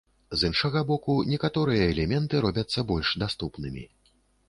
З іншага боку, некаторыя элементы робяцца больш даступнымі.